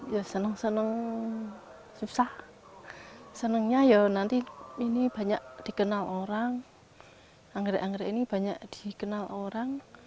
ya senang senang susah senangnya ya nanti ini banyak dikenal orang anggrek anggrek ini banyak dikenal orang